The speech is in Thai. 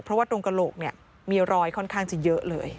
เพราะว่าตรงกระโหลกมีรอยค่อนข้างจะเยอะเลย